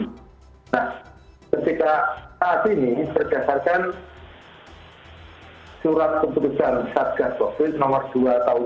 nah ketika saat ini berdasarkan surat keputusan satgas covid nomor dua tahun dua ribu dua puluh